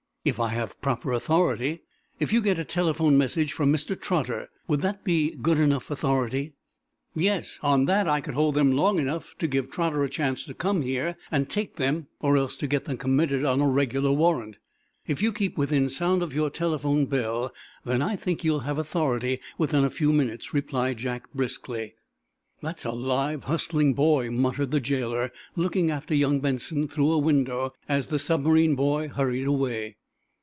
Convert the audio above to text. "If I have proper authority." "If you get a telephone message from Mr. Trotter, would that be good enough authority?" "Yes; on that I could hold them long enough to give Trotter a chance to come here and take them or else to get them committed on a regular warrant." "If you keep within sound of your telephone bell, then, I think you'll have authority within a few minutes," replied Jack, briskly. "That's a live, hustling boy," muttered the jailer, looking after young Benson through a window, as the submarine boy hurried away.